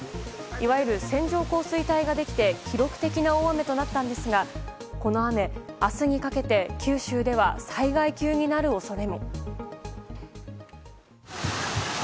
いわゆる線状降水帯ができて記録的な大雨となったんですがこの雨、明日にかけて九州では災害級になる恐れも。